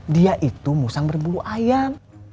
dia itu musang berbulu ayam